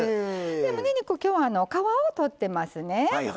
むね肉、今日は皮を取ってますね。